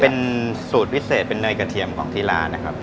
เป็นสูตรพิเศษเป็นเนยกระเทียมของที่ร้านนะครับ